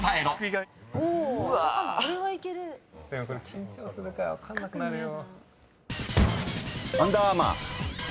緊張するから分かんなくなるよ。